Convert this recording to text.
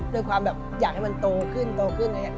ด้วยความแบบอยากให้มันโตขึ้นโตขึ้นอะไรอย่างนี้